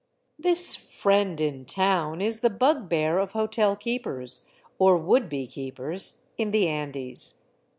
This " friend in town " is the bugbear of hotel keepers, or would bej keepers, in the Andes.